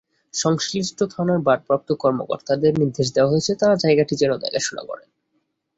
সংশ্লিষ্ট থানার ভারপ্রাপ্ত কর্মকর্তাদের নির্দেশ দেওয়া আছে, তাঁরা জায়গাটি যেন দেখাশোনা করেন।